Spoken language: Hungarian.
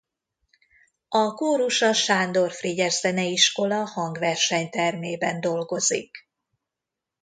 A kórus a Sándor Frigyes Zeneiskola hangversenytermében dolgozik.